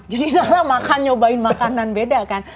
jadi nala makan nyobain makanan beda kan